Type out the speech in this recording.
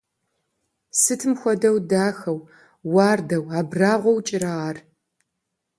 Сытым хуэдэу дахэу, уардэу, абрагъуэу кӀырэ ар!